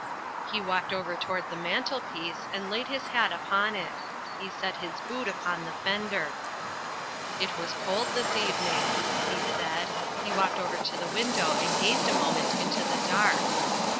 He walked over towards the mantelpiece and laid his hat upon it. He set his boot upon the fender. "It was cold this evening," he said. He walked over to the window and gazed a moment into the dark.